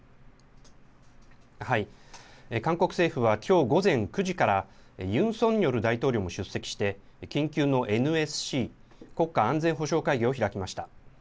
韓国政府はきょう午前９時からユン・ソンニョル大統領も出席して緊急のＮＳＣ・国家安全保障会議を開きました。